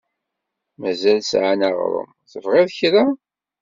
Mazal sɛan aɣṛum. Tebɣiḍ kra?